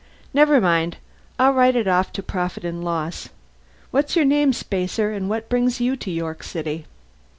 "Never mind. I'll write it off to profit and loss. What's your name, spacer, and what brings you to York City?"